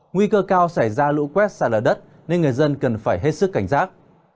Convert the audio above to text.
nguy cơ cao xảy ra lũ quét xa lở đất nên người dân cần phải hết sức cảnh giác